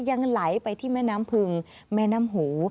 ยังไหลไปที่แม่น้ำพึงแม่น้ำหู